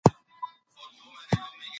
څومره فشار پر تورو راځي؟